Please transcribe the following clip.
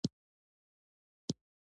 د سوړ جنګ په وخت کې او هم د تروریزم په نوم